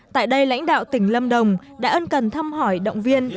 tại đây lãnh đạo tỉnh lâm đồng đã ân cần thăm hỏi động viên